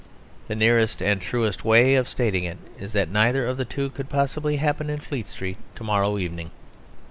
The nearest and truest way of stating it is that neither of the two could possibly happen in Fleet Street to morrow evening.